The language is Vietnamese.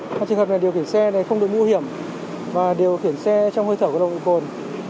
nó chỉ hợp là điều khiển xe này không được mũ hiểm và điều khiển xe trong hơi thở có nồng độ cồn